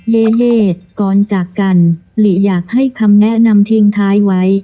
เลเลสก่อนจากกันหลีอยากให้คำแนะนำทิ้งท้ายไว้